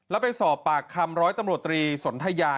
แล้วไปสอบปากคลับโรยโจรสโทยศรทัยา